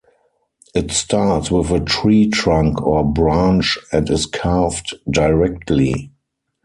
It starts with a tree trunk or branch and is carved directly.